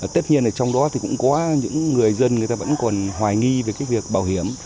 tất nhiên trong đó cũng có những người dân vẫn còn hoài nghi về việc bảo hiểm